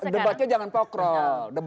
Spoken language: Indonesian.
debatnya jangan pokrol